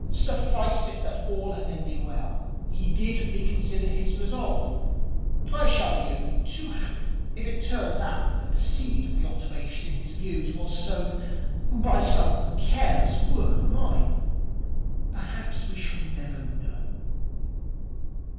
Suffice it that all has ended well. He did reconsider his resolve. I shall be only too happy if it turns out that the seed of the alteration in his views was sown by some careless word of mine. Perhaps we shall never know.'